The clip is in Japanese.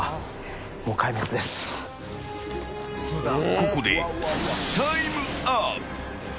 ここでタイムアップ。